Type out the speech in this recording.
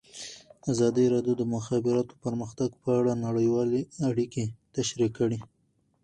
ازادي راډیو د د مخابراتو پرمختګ په اړه نړیوالې اړیکې تشریح کړي.